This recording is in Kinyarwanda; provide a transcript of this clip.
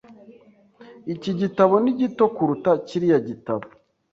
Iki gitabo ni gito kuruta kiriya gitabo.